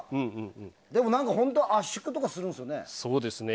本当は圧縮とかするんですよね？